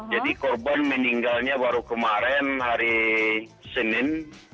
jadi korban meninggalnya baru kemarin hari senin